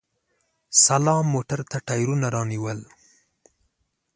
سلام موټر ته ټیرونه رانیول!